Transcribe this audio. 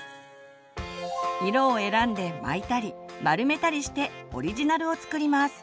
色を選んで巻いたり丸めたりしてオリジナルを作ります。